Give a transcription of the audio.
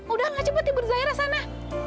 udah nggak cepet ya berzahira sana